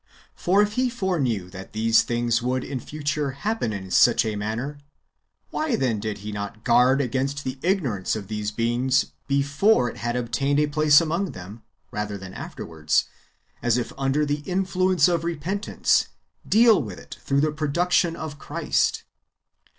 For if He foreknew that these things would in future happen in such a manner, why then did He not guard against the ignorance of these beings before it had obtained a place among them, rather than afterwards, as if under the influence of repentance, deal with it through the production of Christ?